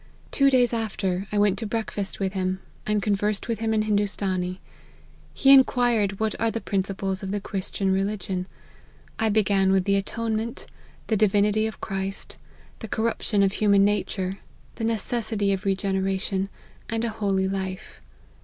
Two days after I went to breakfast with him, and conversed with him in Hindoostanee. He inquired what are the principles of the Christian religion ; I began with the atonement, the divinity of Christ, the corruption of human nature, the necessity of regeneration, and a holy life.